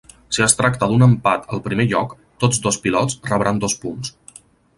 Si es tracta d'un empat al primer lloc, tots dos pilots rebran dos punts.